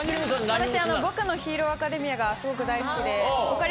私『僕のヒーローアカデミア』がすごく大好きで。